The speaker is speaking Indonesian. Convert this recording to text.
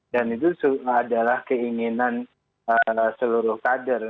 dan itu adalah keinginan seluruh kader